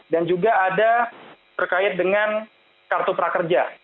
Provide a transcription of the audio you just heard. dan juga ada berkait dengan kartu prakerja